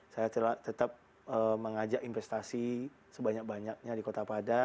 saya tetap mengajak investasi sebanyak banyaknya di kota padang